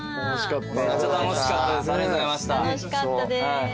楽しかったです。